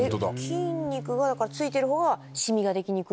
筋肉がついてる方がシミができにくい。